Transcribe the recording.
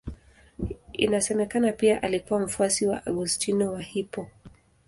Inasemekana pia alikuwa mfuasi wa Augustino wa Hippo.